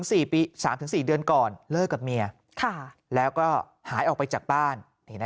สักระยะนึง๓๔เดือนก่อนเลิกกับเมียแล้วหายออกไปจากบ้าน